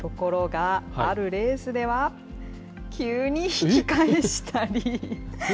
ところが、あるレースでは、急に引き返したり。